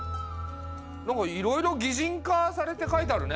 何かいろいろぎじん化されてかいてあるね！